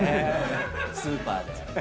スーパーで。